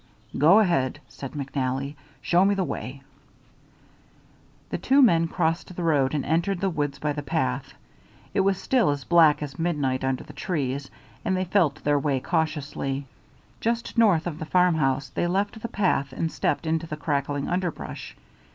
"Go ahead," said McNally. "Show me the way." The two men crossed the road and entered the woods by the path. It was still as black as midnight under the trees, and they felt their way cautiously. Just north of the farmhouse they left the path and stepped into the crackling underbrush.